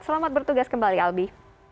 selamat bertugas kembali albi